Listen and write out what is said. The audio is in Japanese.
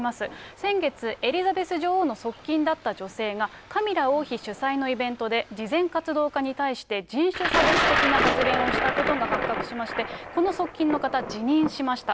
先月、エリザベス女王の側近だった女性が、カミラ王妃主催のイベントで慈善活動家に対して人種差別的な発言をしたことが発覚しまして、この側近の方、辞任しました。